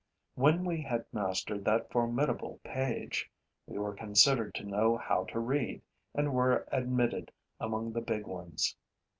When we had mastered that formidable page, we were considered to know how to read and were admitted among the big ones.